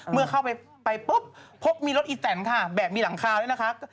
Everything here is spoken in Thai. เมื่อเข้าไปปุ๊บพบมีรถอีแตนค่ะแบบมีหลังคาด้วยนะคะ